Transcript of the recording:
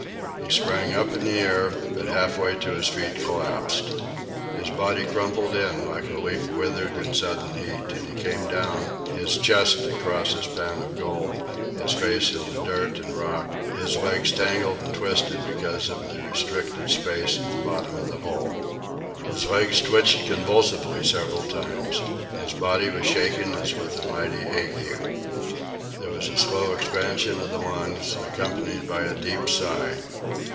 He sprang up in the air, but halfway to his feet collapsed. His body crumpled in like a leaf withered in sudden heat, and he came down, his chest across his pan of gold, his face in the dirt and rock, his legs tangled and twisted because of the restricted space at the bottom of the hole. His legs twitched convulsively several times. His body was shaken as with a mighty ague. There was a slow expansion of the lungs, accompanied by a deep sigh.